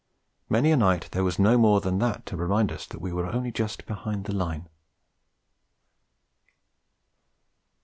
Many a night there was no more than that to remind us that we were only just behind the Line.